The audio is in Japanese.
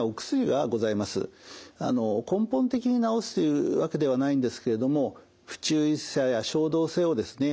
根本的に治すというわけではないんですけれども不注意さや衝動性をですね